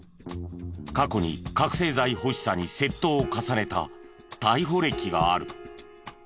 過去に覚醒剤欲しさに窃盗を重ねた逮捕歴がある。